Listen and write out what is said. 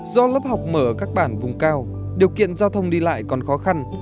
do lớp học mở các bản vùng cao điều kiện giao thông đi lại còn khó khăn